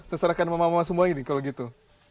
seserahkan sama mama semua ini kalau gitu